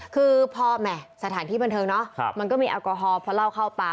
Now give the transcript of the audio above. คือพอแหม่สถานที่บันเทิงเนาะมันก็มีแอลกอฮอลพอเล่าเข้าป่า